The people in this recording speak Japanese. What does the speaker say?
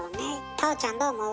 太鳳ちゃんどう思う？